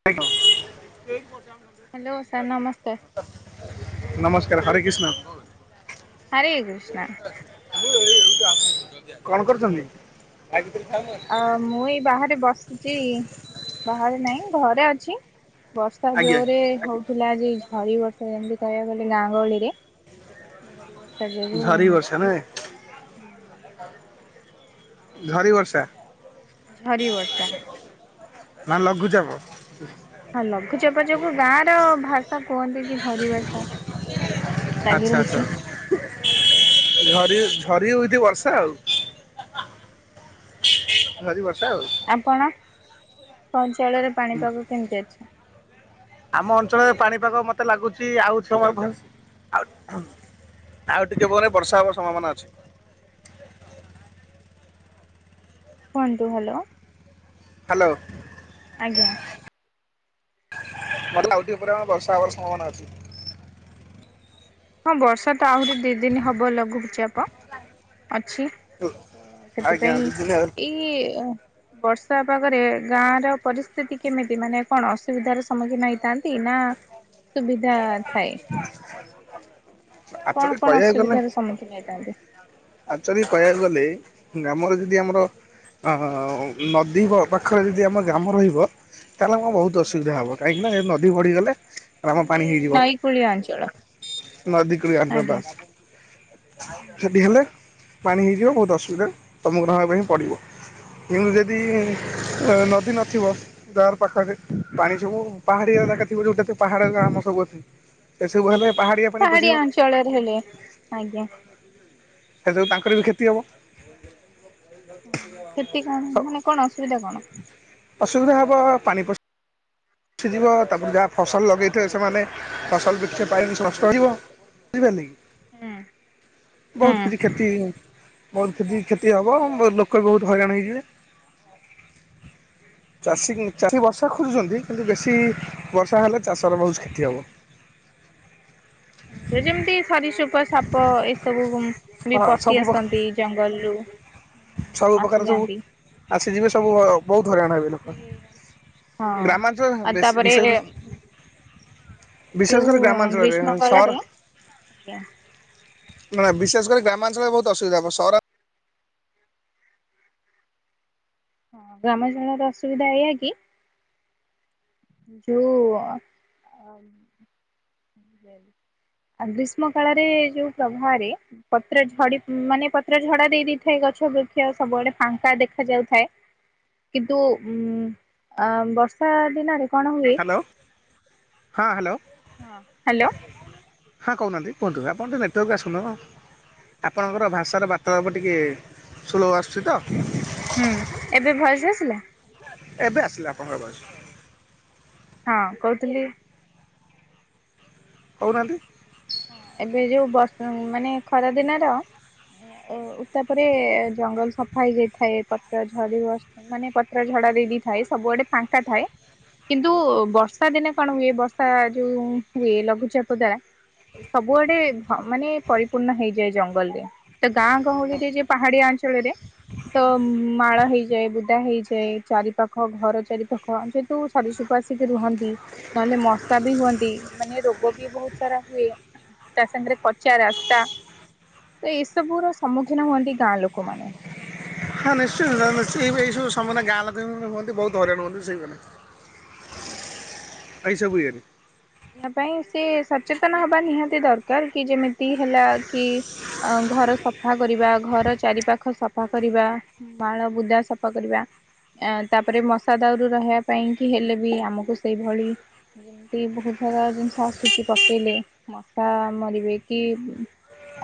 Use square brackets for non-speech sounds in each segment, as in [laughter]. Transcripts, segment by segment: ଆଡେ କଣ? Hello sir ନମସ୍କାର। ନମସ୍କାର ହରେ କୃଷ୍ଣ। ହରେକୃଷ୍ଣ। କଣ କରୁଛନ୍ତି? ଆଁ ମୁଁ ଏଇ ବାହାରେ ବସିଛି ବାହାରେ ନାଇଁ ଘରେ ଅଛି। ବର୍ଷା ଜୋରେ ହୋଉଥିଲା ଯେ ଝରି ବର୍ଷା ଯେମିତି କହିବାକୁ ଗଲେ ଗାଁ ଗହଳିରେ। ଝଡି ବର୍ଷା ଯୋଗୁ ହୁଁ। [inaudible] ଝଡି ବର୍ଷା? ଝରି ବର୍ଷା। ନା ଲଘୁଚାପ? ହଁ ଲଘୁଚାପ ଯୋଗୁ ଗାଁ ର ଭାଷା କୁହନ୍ତି କି ଝରି ବର୍ଷା। ଆଚ୍ଛା ଆଚ୍ଛା ସେଇଭଳି ଆଉ। ଝରି ଝରି ହ ହୋଉଛି ବର୍ଷା ଆଉ। ଝରି ବର୍ଷା ଆଉ ଆଛା ଆପଣଙ୍କ ଅଞ୍ଚଳରେ ପାଣିପାଗ କେମିତି ଅଛି? ଆମ ଅଞ୍ଚଳରେ ପାଣିପାଗ ମତେ ଲାଗୁଛି ଆଉ ଛ ଆଉ ଆଉ ଟିକେ ପରେ ବର୍ଷା ହବାର ସମ୍ଭାବନା ଅଛି। କୁହନ୍ତୁ ହ୍ୟାଲୋ। ହ୍ୟାଲୋ। ଆଜ୍ଞା। [inaudible] ଆଉ ଟିକେ ପରେ ଆମର ବର୍ଷା ହବାର ସମ୍ଭାବନା ଅଛି। ହଁ ବର୍ଷା ତ ଆହୁରି ଦିଇ ଦିନ ହବ ଲଘୁଚାପ ଅଛି। ତ ଆଜ୍ଞା ସେଥିପାଇଁ ଦି ଦିନ ଏଇ ବର୍ଷା ପାଗରେ ଗାଁ ର ପରିସ୍ଥିତି କେମିତି ମାନେ କଣ ଅସୁବିଧାର ସମ୍ମୁଖୀନ ହେଇଥାନ ନ୍ତି ନା ସୁବିଧା ଥାଏ? କଣ ଆକ୍ଚୁଆଲି କଣ ଅସୁବିଧାର ସମ୍ମୁଖୀନ ହେଇଥାନ୍ତି? ଆଚୱାଲି କହିବାକୁ ଗଲେ ଗ୍ରାମରେ ଯଦି ଆମର ଆହ ନଦୀ ପା ପାଖରେ ଯଦି ଆମ ଗ୍ରାମ ରହିବ ତାହେଲେ ଆମର ବହୁତ ଅସୁବିଧା ହବ କାହିଁକିନା ଏ ନଦୀ ବଢିଗଲେ ଗ୍ରାମ ପାଣି ହେଇଯିବ ନଈ କୂଳିଆ ଅଞ୍ଚଳ ନଦୀକୁଳିଆ ଆଜ୍ଞା [unintelligible] ସେନ୍ତି ହେଲେ ପାଣି ହେଇଯିବ ବହୁତ ଅସୁବିଧାରେ ସମ୍ମୁଖୀନ ହବା ପାଇଁ ପଡିବ। କିନ୍ତୁ ଯଦି ନଦୀ ଅ ନଥିବ ଯାହାର ପାଖାପାଖି ପାଣି ସବୁ ପାହାଡିଆ ଜାଗା ଥିବ ଯୋଉଟା ପାହାଡି ଗ୍ରାମ ସବୁ ଅଛି ଏସବୁ ହେଲେ ପାହାଡ଼ିଆ ପାଣି ପଶିବ। ଚଳରେ ହେଲେ ଆଜ୍ଞା। ହେଥିରୁୁ ତାଙ୍କର ବି କ୍ଷତି ହବ। କ୍ଷତି କଣ ମାନେ କଣ ଅସୁବିଧା କଣ? ଅସୁବଧା ହବ ପାଣି ପ ଶିଯିବ ତାପରେ ଯାହା ଫସଲ ଲଗେଇଥିବ ସେମାନେ ଫସଲ ବିକ୍ରି ପାଇଁ ସ ନଷ୍ଟ ହେଇଯିବ। ଝିପାରଲେ ହୁଁ କି ବୋହୁତ କିଛି ହୁଁ କ୍ଷତି ବହୁତ କ୍ଷତି କ୍ଷତି ହବ ବୋ ଲୋକ ରୁ ବୋହୁତ ହଇରାଣ ହେଇଯିବେ। ଚାଷୀ ଚାଷୀ ବର୍ଷା ଖୋଜୁଚନ୍ତି। କିନ୍ତୁ ବେଶୀ ବର୍ଷା ହେଲେ ଚାଷର ବହୁତ କ୍ଷତି ହବ। ହଁ ଯେ ଯେମିତି ଶରୀସୃପ ସାପ ଏସବୁ ବି ହଁ ସବୁ ପଶି ପ୍ର ଆସନ୍ତି ଜଙ୍ଗଲରୁୁ। ସବୁ ପକାର ସବୁ ଆସିଯାଆନ୍ତି। ଆସିଯିବେ ସବୁ ହଁ ବହୁତ ହଇରାଣ ସିଏ ହଁ।। ଜୋ ହ ଆଉ ବେଶୀ ବେଶୀ ବିଶେଷ ତାପରେ କରି ବିଶେଷ ଯୋଉ କରି ଗ୍ରାମାଞ୍ଚଳରେ ଗ୍ରୀଷ୍ମ ସହର କାଳରେ ଆଜ୍ଞା ମାନେ ବିଶେଷ କରି ଗ୍ରାମାଞ୍ଚଳରେ ବହୁତ ଅସୁବିଧା ହବ ସହରା ଗ୍ରାମାଞ୍ଚଳର ଅସୁବିଧା ଏଇଆ କି ଯୋଉ ଆ ବୁଝିପାରିଲେ? ଗ୍ରୀଷ୍ମ କାଳରେ ଯୋଉ ପ୍ରବାହରେ ପତ୍ର ଝଡ଼ି ମାନେ ପତ୍ର ଝଡ଼ା ଦେଇ ଦେଇଥାଏ ଗଛ ବୃକ୍ଷ ସବୁଆଡ଼େ ଫାଙ୍କା ଦେଖା ଯାଉଥାଏ। କିନ୍ତୁ ଉଁ ଅ ବର୍ଷା ଦିନରେ କଣ ହୁଏ ଳ ହଁ ହ୍ୟାଲୋ। ହଁ ହାଲୋ। ହଁ କହୁନାହାନ୍ତି କୁହନ୍ତୁ ଆପଣ ତ ନେଟୱାର୍କକୁ ଆସୁନ ଆପଣଙ୍କର ଭାଷାର ବା ତ ଆମ ଟିକେ ସୁଲଭ ଆସୁଚି ତ। ହୁଁ ଏବେ ଭଏସ୍ ଆସିଲା? ଏବେ ଆସିଲା ଆପଣ ମେସର। ହଁ କହୁଥିଲି କଉନାହାନ୍ତି। ହଁ ଏବେ ଯୋଉ ବର୍ଷ ମାନେ ଖରା ଦିନର ଏ ଓ ତାପରେ ଜଙ୍ଗଲ ସଫା ହେଇଯାଇଥାଏ ପତ୍ର ଝଡ଼ି ବ ମାନେ ପତ୍ର ଝଡ଼ା ଦେଇଦେଇଥାଏ ସବୁଆଡ଼େ ଫାଙ୍କା ଥାଏ। କିନ୍ତୁ ବର୍ଷା ଦିନେ କଣ ହୁଏ ବର୍ଷା ଯୋଉ ହୁଏ ଲଘୁଚାପ ଦ୍ଵାରା ସବୁଆଡ଼େ ଘ ମାନେ ପରିପୂର୍ଣ୍ଣ ହେଇଯାଏ ଜଙ୍ଗଲରେ। ତ ଗାଁ ଗହଳିରେ ଯେ ପହାଡ଼ିଆ ଅଞ୍ଚଳରେ ତ ମାଳ ହେଇଯାଏ ବୁଦା ହେଇଯାଏ ଚାରିପାଖ ଘର ଚାରିପାଖ ଆମ ଯୋ ତୁ ସରୀସୃପ ଆସିକି ରୁହନ୍ତି ନହେଲେ ମଶା ବି ହୁଅନ୍ତି ମାନେ ରୋଗ ବି ବହୁତ ସାରା ହୁଏ ତା ସାଙ୍ଗରେ କଚା ରାସ୍ତା ତ ଏସବୁର ସମ୍ମୁଖୀନ ହୁଅନ୍ତି ଗାଁ ଲୋକମାନେ। ହଁ ନିଶ୍ଚୟ ସେଟା ନିଶ୍ଚୟ ଏଇ ବୁ ଏଇବ ସବୁ ସମନା ଗାଁ ଲୋକ ବି ମନେ ହୁଅନ୍ତି ବହୁତ ହଇରାଣ ହୁଅନ୍ତି ସେଇମାନେ। ହଁ। ପାଇଁ ସେ ହୁଏନି। ଏହା ପାଇଁ ସେ ସଚେତନ ହବା ନିହାତି ଦରକାର କି ଯେମିତି ହେଲା କି ଅ ଘର ସଫା କରିବା ଘର ଚାରି ପାଖ ସଫା କରିବା। ମାଳ ବୁଦା ସଫା କରିବା। ୟାଁ ତାପରେ ମଶା ଦାଉରୁ ରହିବା ପାଇଁ କି ହେଲେ ବି ଆମୁକୁ ସେଇଭଳି ଯେମତି ବହୁତ ସାରା ଜିନିଷ ଆସୁଚି ପକେଇଲେ ମଶା ମରିବେ କି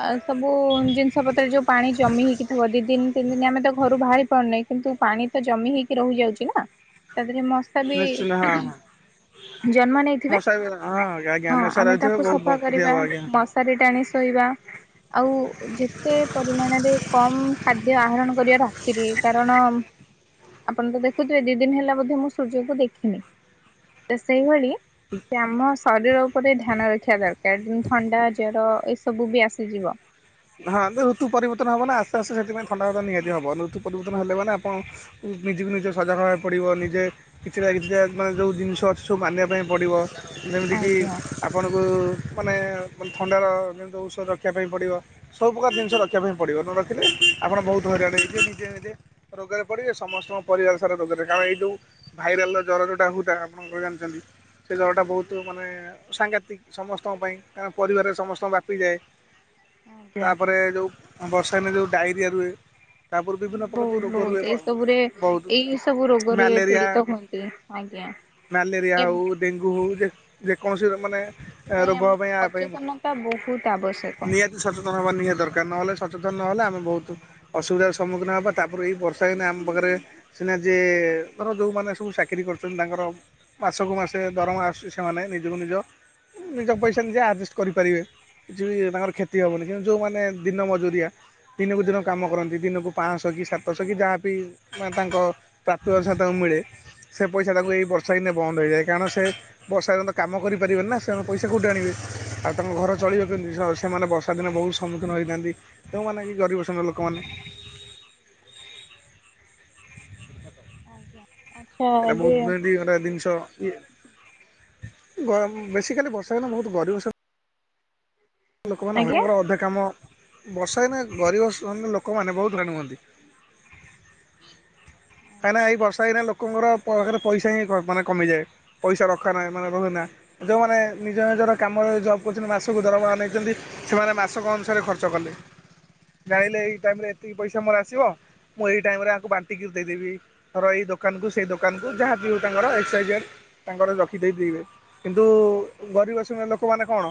ଆ ସବୁ ଜିନିଷ ପତ୍ର ଯୋଉ ପାଣି ଜମି ହେଇକି ଥିବ ଦି ଦିନ ତିନି ଦିନ ଆମେ ତ ଘରୁ ବାହାରି ପାରୁନେଇ କିନ୍ତୁ ପାଣି ତ ଜମି ହେଇକି ରହି ଯାଉଚି ନା ତା ଧେରେ ମଶ୍ ସ ବି ନିଶ୍ଚିନ୍ତ ହଁ ହଁ ଜନ୍ମ ନେଇ ମଶା ବି ହଁ ଆଜ୍ଞା ମଶା ର ବିଥିବ ବହୁତ ବ ହବ ଆଜ୍ଞା ମସାରି ଟାଣି ଶୋଇବା ଆଉ ଯେତେ ପରିମାଣରେ କମ ଖାଦ୍ୟ ଆହରଣ କରିବା ରାତିରେ କାରଣ ଆପଣ ତ ଦେଖୁଥିବେ ଦି ଦିନ ହେଲା ବ ମୁଁ ସୂର୍ଯ୍ୟଙ୍କୁ ଦେଖିନି ତ ସେଇଭଳି ଆମ ଶରୀର ଉପରେ ଧ୍ୟାନ ରଖିବା ଦରକାର ଯେମତି ଥଣ୍ଡା ଜର ଏସବୁ ବି ଆସିଯିବ ହଁ ଋତୁ ପରିବର୍ତ୍ତନ ହବ ନା ଆସ୍ତେ ଆସ୍ତେ ସେଥିପାଇ ଥଣ୍ଡାା ନିହାତି ହଁ ହବ ଋତୁ ପରିବର୍ତନ ହେଲେ ମାନ ଆପଣ ନିଜକୁ ନିଜ ସଜା ଖବାକୁ ପଡ଼ିବ ନିଜେ କିଛିଟା କିଛିଟା ମାନେ ଯୋଉ ଜିନିଷ ଅଛି ସବୁ ମାନିବା ପାଇଁ ପଡିବ ଯେମିତିକି ଆଜ୍ଞା ଆଜ୍ଞା ଆପଣଙ୍କୁ ମାନେ ଥଣ୍ଡାର ଯେମିତି ଔଷଧ ରଖିବା ପାଇଁ ପଡ଼ିବ ସବୁପ୍ରକାର ଜିନିଷ ରଖିବା ପାଇଁ ପଡ଼ିବ ନ ରଖିଲେ ଆପଣ ବହୁତ ହଇରାଣ ହେଇଯେ ନିଜେ ନିଜେ ରୋଗରେ ପଡିବେ ସମସ୍ତଙ୍କ ପରିବାର ସାରା ରୋଗରେ କାରଣ ଏଇ ଯୋଉ ଭାଇରାଲ ର ଜର ଯୋଉଟା ହୁଟା ଆପଣଙ୍କ ଜାଣିଛନ୍ତି। ସେ ଜରଟା ବହୁତ ମାନେ ସାଂଘାତିକ ସମସ୍ତଙ୍କ ପାଇଁ କାରଣ ପରିବାରରେ ସମସ୍ତଙ୍କ ବ୍ୟାପିଯାଏ। ତାପରେ ଯେଉଁ ବର୍ଷା ଦିନେ ଯୋଉ ଡାଇରିଆ ରୁହେ। ତାପରେ ବିଭିନ୍ନ ପ୍ରକାର ଯୋଉ ବହୁତ ରୋଗ ରୁହେ ବହୁତ ଏଇ ସବୁରେ ବହୁତ ଏଇ ସବୁ ରୋଗରେ ମ୍ୟାଲେରିଆ ପୀଡିତ ହୁଅନ୍ତି ଆଜ୍ଞା। ମ୍ୟାଲେରିଆ ହଉ ଡେଙ୍ଗୁ ହଉ ଯେ ଯେକୌଣସି ମାନେ ରୋଗ ପାଇଁ ଆ ପାଇଁ ତା ବହୁତ ଆବଶ୍ୟକ। ନିହାତି ସଚେତନ ହେବା ନିହାତି ଦରକାର ନହେଲେ ସଚେତନ ନହେଲେ ଆମେ ବହୁତୁ ଅସୁବିଧାର ସମ୍ମୁଖୀନ ହେବା ତାପରେ ଏଇ ବର୍ଷା ଦିନେ ଆମ ପାଖରେ ସିନା ଯେ ଧର ଯୋଉମାନୋ ସବୁ ଚାକିରରି କରୁଛନ୍ତି ତାଙ୍କର ମାସକୁ ମାସେ ଦରମା ଆସୁଛି ସେମାନେ ନିଜକୁ ନିଜ ନିଜ ପଇସା ନିଜେ ଆଡଜଷ୍ଟ କରିପାରିବେ କିଛି ବି ତାଙ୍କର ଖ୍ୟ ତି ହେବନି କିନ୍ତୁ ଯେଉଁମାନେ ଦିନ ମଜୁରିଆ ଦିନକୁ ଦିନ କାମ କରନ୍ତି ଦିନକୁ ପାଞ୍ଚଶହ କି ସାତଶହ କି ଯାହାବି ତାଙ୍କ ପ୍ରାପ୍ୟ ଅନୁସା ତାଙ୍କୁ ମିଳେ ସେ ପଇସା ତାକୁ ଏଇ ବର୍ଷା ଦିନେ ବନ୍ଦ ହୋଇଯାଏ କାରଣ ସେ ବର୍ଷା ଦିନେ କାମ କରିପାରିବେ ନା ସେମାନେ ପଇସା କେଉଁଠି ଆଣିବେ ଆଉ ତାଙ୍କ ଘର ଚଳିବ କେମିତି ସେମାନେ ବସ ସା ଦିନରେ ବହୁତ ସମ୍ମୁଖୀନ ହୋଇଥାନ୍ତି ତଉମାନେ କି ଗରିବ ଶ୍ରେଣୀର ଲୋକମାନେ। ଆଜ୍ଞା। ଆଚ୍ଛା ଏଇଟା ଏବେ ବହୁତ [unintelligible] ଜିନିଷ। ଗ ବେଶୀ କାଲି ବର୍ଷା ଦିନ ବହୁତ ଗରିବ ଲୋକମାନେ ଆଜ୍ଞା ହରଙ୍କର [unintelligible] କାମ ବସା ଦିନେ ଗରିବ ସ ଲୋକମାନେ ବହୁତ ହଇଣ ହୁଅନ୍ତି। କାଇଁନା ଏଇ ବର୍ଷା ଦିନେ ଲୋକଙ୍କର ପାଖରେ ପ ପଇସା ହିଁ ମାନେ କମିଯାଏ। ପଇସା ରଖା ନାହିଁ ମାନେ ରହେନା ଯୋଉମାନେ ନିଜ ନିଜର କାମରେ ଜବ୍ କରୁଛନ୍ତି ମାସକୁ ଦରମା ମାନେ ଯେମତି ସେମାନେ ମାସକ ଅନୁସାରେ ଖର୍ଚ୍ଚ କଲେ। ଜାଣିଲେ ଏଇ ଟାଇମ ରେ ଏତିକି ପଇସା ମୋର ଆସିବ ମୁଁ ଏଇ ଟାଇମ ରେ ୟାଙ୍କୁ ବାଣ୍ଟିକି ଦେଇଦେବି। ର ଏଇ ଦୋକାନ କୁ ସେଇ ଦୋକାନ କୁ ଯାହାବି ହଉ ତାଙ୍କର ଏକ୍ସ୍ ୱାୟି ଜେଡ୍ ତାଙ୍କର ରଖିଦେବେ କିନ୍ତୁ ଗରିବ ଲୋକମାନେ କଣ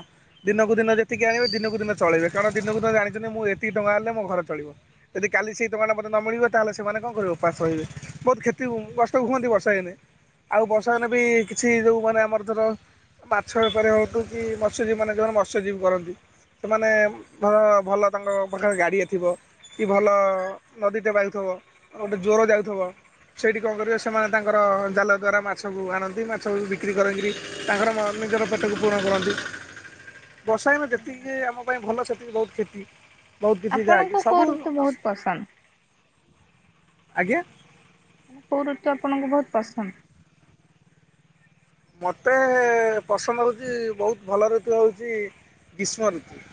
ଦିନକୁ ଦିନ ଯେ ଏତିକି ଆଣିବ ଦିନକୁ ଦିନ ଚଳେଇବେ କାରଣ ଦିନକୁ ଦିନ ଜାଣିଛନ୍ତି ମୁଁ ଏତିକି ଟଙ୍କା ହେଲେ ମୋ ଘର ଚଳିବ। ଯଦି କାଲି ସେ ଟଙ୍କା ଟା ମୋତେ ନ ମିଳିବ ତାହେଲେ ସେମାନେ କଣ କରିବ ଉପାସ ରହିବେ। ବହୁତ କ୍ଷତି କଷ୍ଟ ହୁଅନ୍ତି ବର୍ଷା ଦିନେ ଆଉ ବର୍ଷା ଦିନେ ବି କିଛି ଯେଉଁମାନେ ଆମର ର ମାଛ ଏପାରି ହନ୍ତୁ କି ମତ୍ସ୍ୟଜୀବୀ ମାନେ ଯେଉଁମାନେ ମତ୍ସ୍ୟଜୀବୀ କରନ୍ତି। ସେମାନେ ଭଲ ଭଲ ତାଙ୍କ ପାଖରେ ଗାଡିଆ ଥିବ। କି ଭଲ ନଦୀଟେ ବାଉଥିବ ଆ ଗୋଟେ ଜ୍ୱର ଯାଉଥିବ। ସେଇଠି କଣ କରିବ ସେମାନେ ତାଙ୍କର ଜାଲ ଦ୍ଵାରା ମାଛକୁ ଆଣନ୍ତି ମାଛ ବିକ୍ରି କରା କିରି। ତାଙ୍କର ନିଜର ପେଟକୁ ପୂରଣ କରନ୍ତି ଗସାଇ ସେତିକି ଆମ ପାଇଁ ଭଲ ସେତିକି ବହୁତ କ୍ଷତି ବହୁତ କିଛି ଜାକି ଆପଣଙ୍କୁ କୋଉ ସବୁ ଋତୁ ବହୁତ ପସନ୍ଦ ଆଜ୍ଞା। କୋଉ ଋତୁ ଆପଣଙ୍କୁ ବହୁତ ପସନ୍ଦ? ମୋତେ-ଏ-ଏ-ଏ ପସନ୍ଦ ହେଉଛି ବହୁତ ଭଲ ଋତୁ ହେଉଛି ଗ୍ରୀଷ୍ମ ଋତୁ।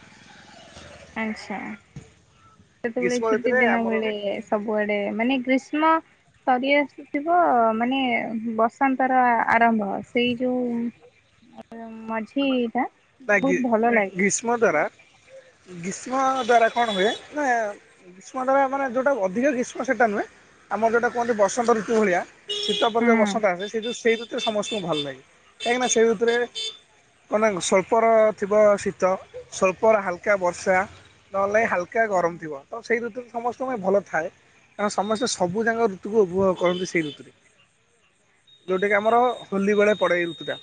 ଆଛା ସେତବେଳେ ଗ୍ରୀଷ୍ମ ଛୁଟି ଋତୁରେ ଆମର ଦିନବେଳେ [unintelligible] ସବୁଆଡେ ମାନେ ଗ୍ରୀଷ୍ମ ସରି ଆସ ଥିବ ମାନେ ବସନ୍ତର ଆରମ୍ଭ ସେଇ ଯୋଉ-ଉ-ଉ ଉ-ଉ ମଝି-ଇ-ଇ-ଇ ଟା। ନା ଗି ଗୀଷ୍ମ ଦ୍ୱାରା ଗୀଷ୍ମ ଦ୍ଵାରା କଣ ହୁଏ ନା ଗ୍ରୀଷ୍ମ ଦେବା ମାନେ ଯେଉଁଟା ଅଧିକ ଗ୍ରୀଷ୍ମ ସେଟା ନୁହେଁ ଆମ ଯେଉଁଟା କୁହନ୍ତି ବସନ୍ତ ଋତୁ ଭଳିଆ ଶୀତ ପରେ ଯୋଉ ହୁଁ। ବସନ୍ତ ଆସେ ସେ ଯଉ ସେଇ ଋତୁ ସମ ସ୍ତକୁ ଭଲ ଲାଗେ କାଇଁକି ନା ସେ ଋତୁ ରେ ମାନେ ସ୍ୱ ଅଳ୍ପର ଥିବ ଶୀତ ସ୍ୱଳ୍ପର ହାଲକା ବର୍ଷା। ନହେଲେ ହାଲକା ଗରମ ଥିବ ତ ସେଇ ଋତୁ ସମସ୍ତଙ୍କ ପାଇଁ ଭଲ ଥାଏ। କାରଣ ସମସ୍ତେ ସବୁଯାକ ଋତୁକୁ ଉପଭୋଗ କରନ୍ତି ସେଇ ଋତୁରେ। ଯଉଟା କିି ଆମର ହୋଲି ବେଳେ ପଳେଇ ଏଇ ଋତଟା।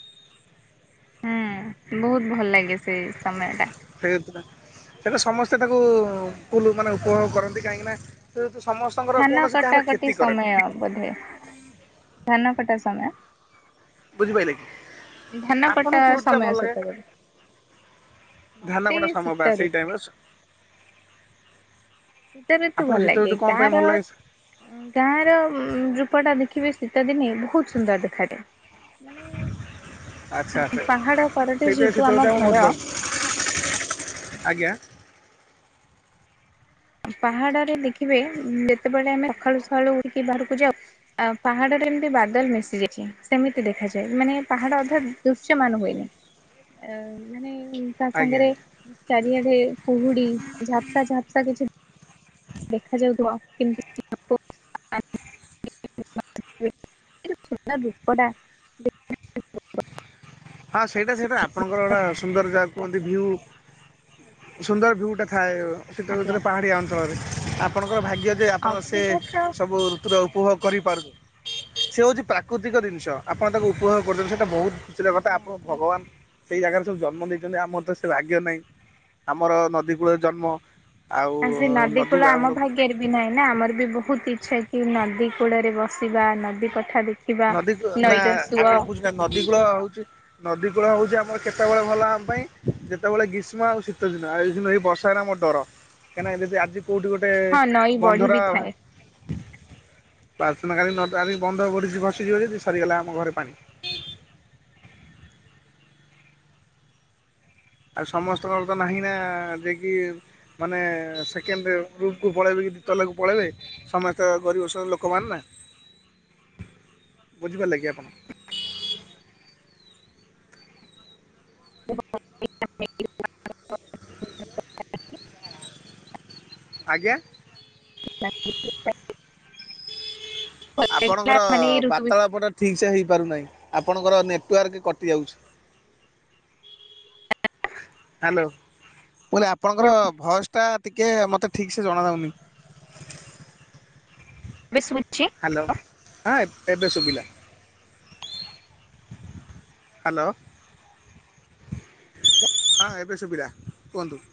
ବହୁତ ଭଲ ଲାଗେ ସେଇ ସମୟ ଟା। ହେଇଯାଉଥିଲା ସେଟା ସମସ୍ତେ ତାକୁୁ-ଉ-ଉ-ଉ କୁଲ୍ ମାନେ ଉପଭୋଗ କରନ୍ତି କାହିଁକି ନା ଯେହେତୁ ସମ ଧାନ କଟାକଟି ସମୟ ବୋଧେ ଧାନ କଟା ସମୟ। ବୁଝି ପାଇଲେ କି। ଧାନ କଟା ଆପଣଙ୍କୁ କୋଉ ଋତୁଟା ଭଲ ସମୟ ଲାଗେ ସେତେବେଳେ। ଧାନ କଟା ମତେ-ଏ-ଏ ସମୟ ବା ଶୀତ ଋ ସେଇ ଟାଇମରେ ଶୀତ ଋତୁ ଭଲ ଆପଣଙ୍କୁ ଶୀତ ଲାଗେ ଋତୁ କଣ ପାଇଁ କାହାର ଭଲ ଲାଗେ ଗାଁ ର ଉ-ଉ-ଉ ରୂପ ଟା ଦେଖିବେ ଶୀତ ଦିନେ ବହୁତ ସୁନ୍ଦର ଦେଖାଯାଏ। ଆଚ୍ଛା ମାନେ-ଏ-ଏ-ଏ ଆଚ୍ଛା ପାହାଡ କରରେ ସେଇଥିପାଇଁ ଶୀତ ଯେହେତୁ ଋତୁ ଆମ ଆମକୁ ବହୁତ ଘର ଭଲ ଆଜ୍ଞା। ପାହାଡ ରେ ଦେଖିବେ ଯେତେବେଳେ ଆମେ ସକାଳୁ ସକାଳୁ ଉଠିକି ବାହାରକୁ ଯାଉ ଅ ପାହାଡ଼ରେ ଏମିତି ବାଦଲ ମିଶିଯାଇଛି ସେମିତି ଦେଖାଯାଏ ମାନେ ପାହାଡ଼ ଅଧା ଦୃଶ୍ୟମାନ ହୁଏନି। ଅ ମାନେ-ଏ-ଏ ତା ଆଜ୍ଞା ସାଙ୍ଗରେ ଆଜ୍ଞା ଚାରିଆଡେ କୁହୁଡି ଝାପସା ଝାପସା କିଛି ଦେଖାଯାଉଥିବ [unintelligible] [unintelligible] ହଁ ସେଇଟା ସେଇଟା ଆପଣଙ୍କର ଗଟା ସୁନ୍ଦର ଯାଗହା କୁହନ୍ତି ଭିଉ। ସୁନ୍ଦର ଭିଉ ଟା ଥାଏ ଶୀତ ଆଜ୍ଞା। ଋତୁରେ ପାହାଡିଆ ଅଞ୍ଚଳରେ ଆ ଆପଣଙ୍କର ଭାଗ୍ୟ ଯେ ଆପଣ ସେ ଅସୁବିଧା ତ ସବୁ ପୁରା ଉପଭୋଗ କରିପାରୁଛ ସେ ହେଉଛି ପ୍ରାକୃତିକ ଜିନିଷ ଆପଣ ତାକୁ ଉପଭୋଗ କରୁଛନ୍ତି ସେଇଟା ବହୁତ ସେଟା କଥା ଆପଣ ଆଜ୍ଞା। ଭଗବାନ ସେଇ ଜାଗାରେ ସବୁ ଜନ୍ମ ଦେଇଛନ୍ତି ଆମର ତ ସେ ଭାଗ୍ୟ ନାହିଁ। ଆମର ନଦୀ କୂଳରେ ଜନ୍ମ ଆଉ-ଉ-ଉ ନଦୀକୁ ଆମର ପେରିବି ନାହିଁ ନା ଆମର ବି ବହୁତ ଇଛା କି ନଦୀ କୂଳରେ ବସିବା, ନଦୀ ପଠା ଦେଖି ବା ନଦୀ କୂଳ ନଈ ର ଶୁଅ ଆପଣ ନା ନଦୀ କୂଳ ହଉଛି ନଦୀ କୂଳ ହଉଛି ଆମର କେତେବେଳେ ଭଲ ଆମ ପାଇଁ ଯେତେବେଳେ ଗ୍ରୀଷ୍ମ ଆଉ ଶୀତଦିନ ଆଉ ଏଇ ଦିନ ଏଇ ବର୍ ଷା ମୋର ଡର କାହିଁକିନା ଯଦି ଆଜି କେଉଁଠି ଗୋଟେ-ଏ-ଏ ହଁ ନଈ ବଢି ବନ୍ଧର ବି ଥାଏ ପ୍ରାଥନା କାଳେ ନ ଟାଣି ବନ୍ଧ ପଡିଛି ଖସି ଯିବ ଯଦି ସରିଗଲା ଆମ ଘରେ ପାଣି। ଆଉ ସମସ୍ତଙ୍କର ତ ନାହିଁ ନା-ଆ-ଆ ଯେକି ମାନେ-ଏ-ଏ-ଏ ସେକେଣ୍ଡ ରୁପ୍ କୁ ପଳେଇବେ କି ତଲାକୁ ପଳାଇବେ ସମସ୍ତେ ଗରିବ ଶ୍ରେଣୀ ଲୋକ ମାନ ନା। [inaudible] ବୁଝିପାରିଲେ କି ଆପଣ? [unintelligible] ଆଜ୍ଞା? [unintelligible] ଆପଣଙ୍କର ମାନେ ଏଇ ଋତୁ ବିଷୟରେ ବାର୍ତ୍ତାଳାପ ଟା ଠିକ ସେ ହେଇପାରୁନାହିଁ ଆପଣଙ୍କର ନେଟୱାର୍କ କଟି ଯାଉଚି। [unintelligible] ହ୍ୟାଲୋ ମୁଁ କହିଲେ ଆପଣଙ୍କର ଭଏସ ଟା ଟିକେ ମତେ ଠିକ ସେ ଜଣା ଜାଉନି। ଏବେ ସୁବୁଚି? ହ୍ୟାଲୋ ହଁ ଏବେ ସୁବିଲା। ହ୍ୟାଲୋ। ହଁ ଏବେ ସୁବିଲା କୁହନ୍ତୁ।